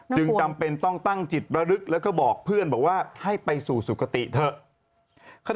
จำเป็นต้องตั้งจิตระลึกแล้วก็บอกเพื่อนบอกว่าให้ไปสู่สุขติเถอะ